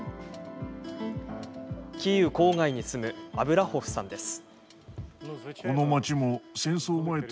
キーウ郊外に住むアブラホフさんです。